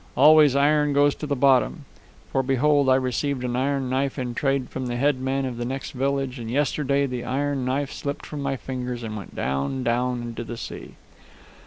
Always iron goes to the bottom. For behold, I received an iron knife in trade from the head man of the next village, and yesterday the iron knife slipped from my fingers and went down, down, into the sea.